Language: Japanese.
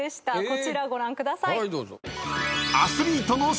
こちらご覧ください。